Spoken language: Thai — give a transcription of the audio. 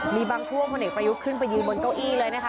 มีบางช่วงพลเอกประยุทธ์ขึ้นไปยืนบนเก้าอี้เลยนะคะ